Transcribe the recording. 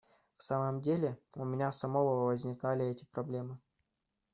В самом деле, у меня самого возникали эти проблемы.